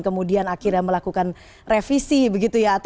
kemudian akhirnya melakukan revisi begitu ya